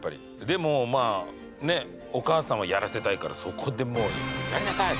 でもまあねお母さんはやらせたいからそこでもう「やりなさい！」